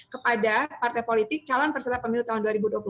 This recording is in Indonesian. kepada partai politik calon peserta pemilu tahun dua ribu dua puluh empat